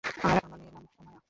আর আমার মেয়ের নাম উমায়া।